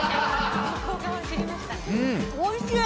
おいしい！